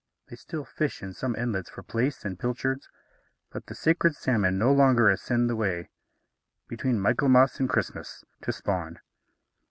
They still fish in some inlets for plaice and pilchards; but the scared salmon no longer ascend the Wey, between Michaelmas and Christmas, to spawn.